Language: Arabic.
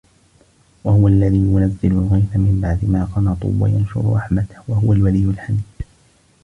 وَهُوَ الَّذي يُنَزِّلُ الغَيثَ مِن بَعدِ ما قَنَطوا وَيَنشُرُ رَحمَتَهُ وَهُوَ الوَلِيُّ الحَميدُ